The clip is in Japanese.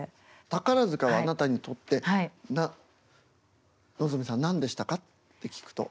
宝塚はあなたにとって望海さん何でしたかって聞くと？